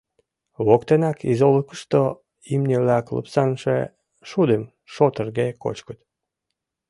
Воктенак изолыкышто имне-влак лупсаҥше шудым шотырге кочкыт.